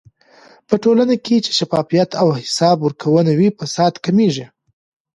په ټولنه کې چې شفافيت او حساب ورکونه وي، فساد کمېږي.